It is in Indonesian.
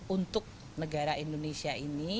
untuk negara indonesia ini